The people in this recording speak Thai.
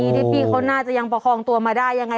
จบที่ถังขยะเลยดีที่เขาน่าจะยังประคองตัวมาได้ยังไง